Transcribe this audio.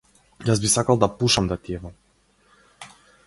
Јас би сакал да пушам, да ти ебам.